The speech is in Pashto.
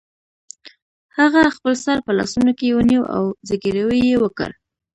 هغه خپل سر په لاسونو کې ونیو او زګیروی یې وکړ